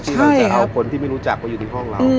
เราจะเอาคนที่ไม่รู้จักไปอยู่ในห้องเรา